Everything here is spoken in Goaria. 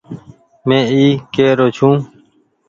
مين اي ڪي رو ڇو۔